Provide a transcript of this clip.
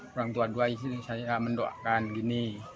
orang tua dua ini saya mendoakan